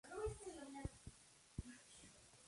Se declara de izquierda no marxista.